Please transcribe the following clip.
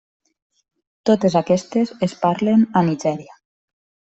Totes aquestes es parlen a Nigèria.